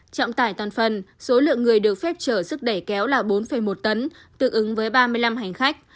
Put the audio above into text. trọng tải toàn phần số lượng người được phép trở sức đẩy kéo là bốn một tấn tương ứng với ba mươi năm hành khách